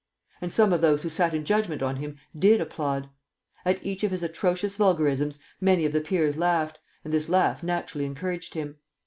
And some of those who sat in judgment on him did applaud. At each of his atrocious vulgarisms many of the Peers laughed, and this laugh naturally encouraged him.